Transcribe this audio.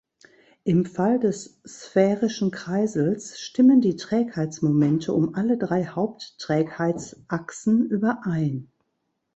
Im Fall des sphärischen Kreisels stimmen die Trägheitsmomente um alle drei Hauptträgheitsachsen überein.